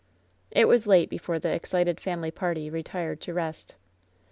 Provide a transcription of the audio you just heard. It was late before the excited family party retired to rest.